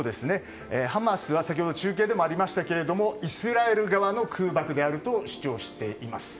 ハマスは先ほど中継でもありましたがイスラエル側の空爆だと主張しています。